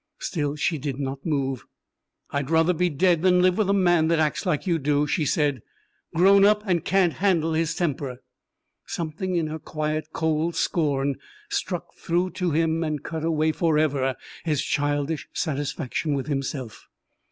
Still she did not move. "I'd ruther be dead than live with a man that acts like you do," she said. "Grown up, and can't handle his temper." Something in her quiet, cold scorn struck through to him and cut away forever his childish satisfaction with himself.